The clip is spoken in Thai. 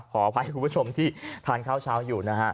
ขออภัยคุณผู้ชมที่ทานข้าวเช้าอยู่นะฮะ